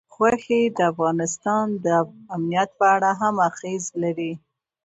غوښې د افغانستان د امنیت په اړه هم اغېز لري.